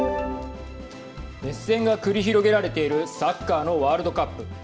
熱戦が繰り広げられているサッカーのワールドカップ。